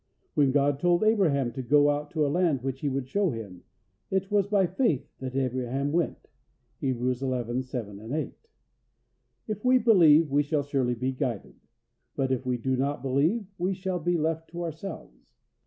When God told Abraham to go to a land which He would show him, it was by faith that Abraham went (Hebrews xi. 7, 8). If we believe, we shall surely be guided; but if we do not believe, we shall be left to ourselves.